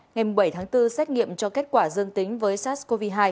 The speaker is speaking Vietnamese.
ngày bảy tháng bốn xét nghiệm cho kết quả dương tính với sars cov hai